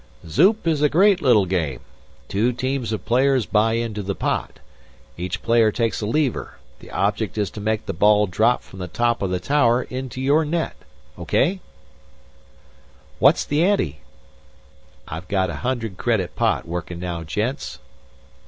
"Zoop is a great little game. Two teams of players buy into the pot. Each player takes a lever; the object is to make the ball drop from the top of the tower into your net. Okay?" "What's the ante?" "I got a hundred credit pot workin' now, gents."